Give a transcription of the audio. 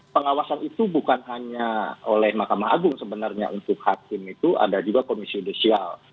pengawasan itu bukan hanya oleh mahkamah agung sebenarnya untuk hakim itu ada juga komisi judisial